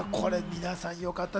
皆さんよかった。